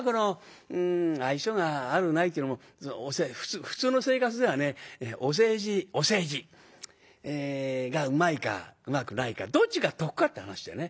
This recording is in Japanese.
愛想があるないっていうのも普通の生活ではねお世辞お世辞がうまいかうまくないかどっちが得かって話でね。